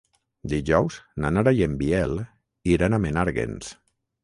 Dijous na Nara i en Biel iran a Menàrguens.